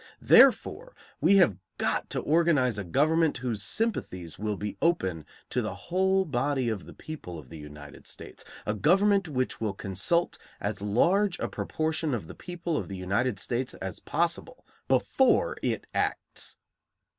Therefore, we have got to organize a government whose sympathies will be open to the whole body of the people of the United States, a government which will consult as large a proportion of the people of the United States as possible before it acts.